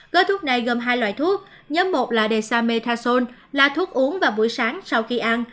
gói thuốc này gồm hai loại thuốc nhóm một là desa metason là thuốc uống vào buổi sáng sau khi ăn